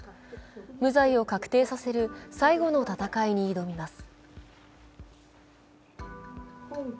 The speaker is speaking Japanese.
無罪を確定させる最後の闘いに挑みます。